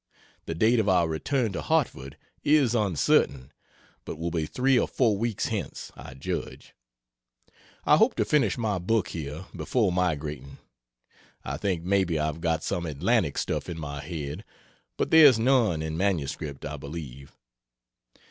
The date of our return to Hartford is uncertain, but will be three or four weeks hence, I judge. I hope to finish my book here before migrating. I think maybe I've got some Atlantic stuff in my head, but there's none in MS, I believe.